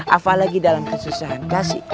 apalagi dalam kesusahan kasih